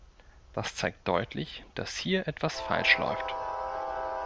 Das zeigt deutlich, dass hier etwas falsch läuft.